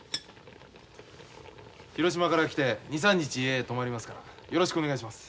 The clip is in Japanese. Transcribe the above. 広島から来て２３日家泊まりますからよろしくお願いします。